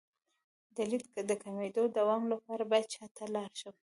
د لید د کمیدو د دوام لپاره باید چا ته لاړ شم؟